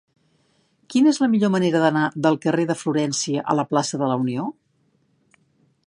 Quina és la millor manera d'anar del carrer de Florència a la plaça de la Unió?